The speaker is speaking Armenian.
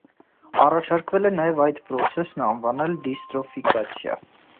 Առաջարկվել է նաև այդ պրոցեսն անվանել դիստրոֆիկացիա։